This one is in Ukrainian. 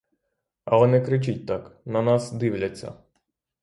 Але не кричіть так, на нас дивляться.